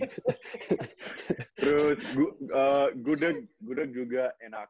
terus gudeg juga enak